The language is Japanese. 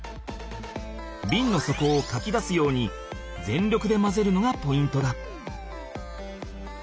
ビンの底をかき出すように全力で混ぜるのがポイントだ。